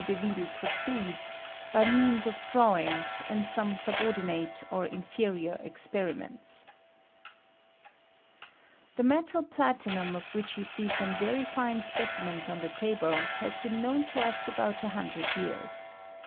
Deville proceeds, by means of drawings, and some subordbate or inferior ex ^ The metal platinum, of which you see some very fine specimens on the table, has been known to us about a hundred years.